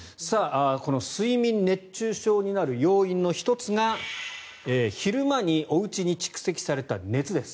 この睡眠熱中症になる要因の１つが昼間におうちに蓄積された熱です。